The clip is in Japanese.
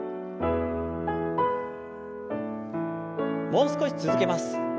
もう少し続けます。